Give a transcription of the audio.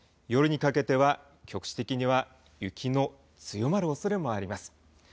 夜にかけては局地的には雪の強まるおそれもあります。